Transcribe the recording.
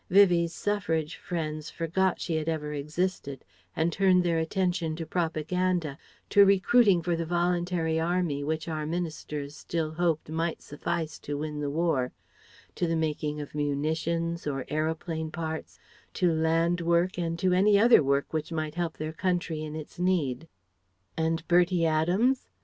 Vivie's Suffrage friends forgot she had ever existed and turned their attention to propaganda, to recruiting for the Voluntary Army which our ministers still hoped might suffice to win the War, to the making of munitions, or aeroplane parts, to land work and to any other work which might help their country in its need. And Bertie Adams?